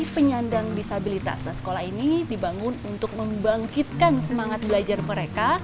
penyandang disabilitas dan sekolah ini dibangun untuk membangkitkan semangat belajar mereka